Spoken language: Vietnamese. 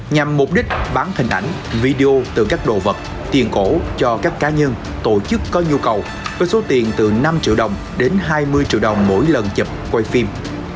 nhằm mục đích bán hình ảnh video từ các đồ vật tiền cổ cho các cá nhân tổ chức có nhu cầu với số tiền từ năm triệu đồng đến hai mươi triệu đồng mỗi lần chụp quay phim